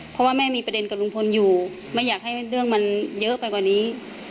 เพราะว่าแม่มีประเด็นกับลุงพลอยู่ไม่อยากให้เรื่องมันเยอะไปกว่านี้